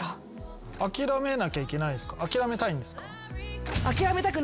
諦めなきゃいけないんですか？